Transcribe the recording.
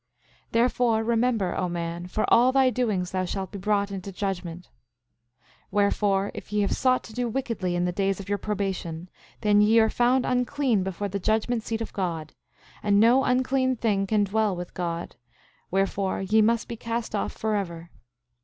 10:20 Therefore remember, O man, for all thy doings thou shalt be brought into judgment. 10:21 Wherefore, if ye have sought to do wickedly in the days of your probation, then ye are found unclean before the judgment seat of God; and no unclean thing can dwell with God; wherefore, ye must be cast off forever.